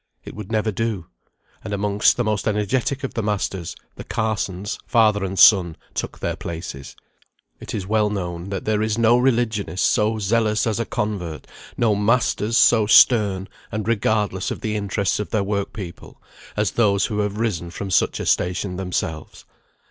It would never do. And amongst the most energetic of the masters, the Carsons, father and son, took their places. It is well known, that there is no religionist so zealous as a convert; no masters so stern, and regardless of the interests of their work people, as those who have risen from such a station themselves.